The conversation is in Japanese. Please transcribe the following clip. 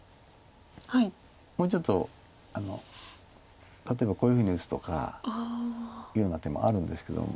もうちょっと例えばこういうふうに打つとかいうような手もあるんですけども。